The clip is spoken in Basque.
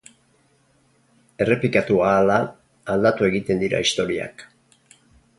Errepikatu ahala, aldatu egiten dira historiak.